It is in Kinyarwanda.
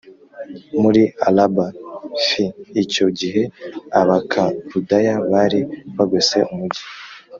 muri Araba f Icyo gihe Abakaludaya bari bagose umugi